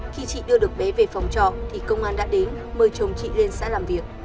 khi chị đưa được bé về phòng trọ thì công an đã đến mời chồng chị lên xã làm việc